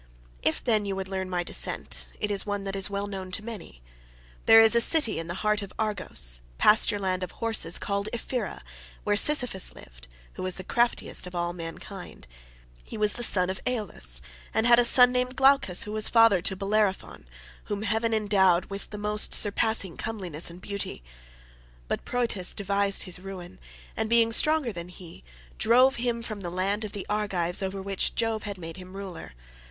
If, then, you would learn my descent, it is one that is well known to many. There is a city in the heart of Argos, pasture land of horses, called Ephyra, where Sisyphus lived, who was the craftiest of all mankind. He was the son of Aeolus, and had a son named Glaucus, who was father to Bellerophon, whom heaven endowed with the most surpassing comeliness and beauty. But Proetus devised his ruin, and being stronger than he, drove him from the land of the Argives, over which Jove had made him ruler.